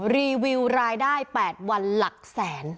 รีวิวรายได้๘วันหลักแสน